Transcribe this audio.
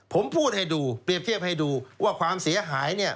ผมพูดให้ดูเปรียบเทียบให้ดูว่าความเสียหาย